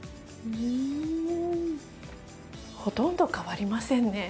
ほとんど変わりませんね。